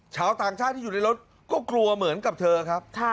ชาวต่างชาติที่อยู่ในรถก็กลัวเหมือนกับเธอครับ